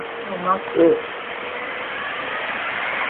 たねをまく